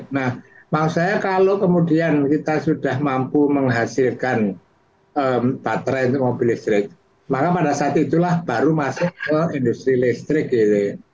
nah maksud saya kalau kemudian kita sudah mampu menghasilkan baterai untuk mobil listrik maka pada saat itulah baru masuk ke industri listrik gitu ya